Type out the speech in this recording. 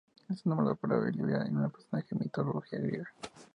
Está nombrado por Melibea, un personaje de la mitología griega.